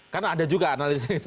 karena ada juga analisisnya gitu